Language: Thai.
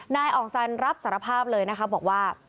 นายอองซันรับสารภาพเลยนะครับบอกว่า